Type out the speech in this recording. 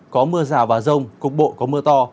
có mưa rào và rông cục bộ có mưa to